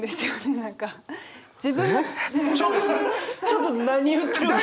ちょっと何言ってるか。